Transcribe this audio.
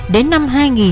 đến năm hai nghìn